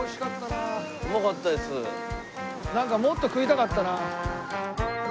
なんかもっと食いたかったな。